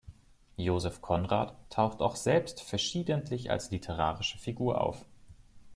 Joseph Conrad taucht auch selbst verschiedentlich als literarische Figur auf.